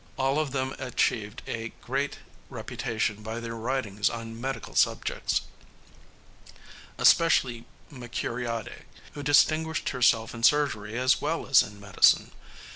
All of them achieved a great reputation by their writings on medical subjects, especially Mercuriade, who distinguished herself in surgery as well as in medicine.